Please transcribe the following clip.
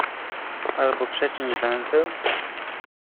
"Albo przeciąć węzeł?"